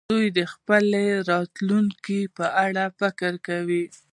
دوی د خپلې راتلونکې په اړه فکر کوي.